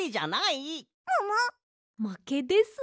まけですね。